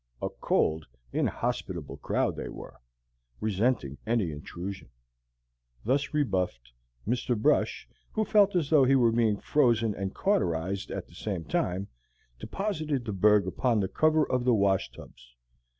A cold, inhospitable crowd they were, resenting any intrusion. Thus rebuffed, Mr. Brush, who felt as though he were being frozen and cauterized at the same time, deposited the berg upon the cover of the wash tubs.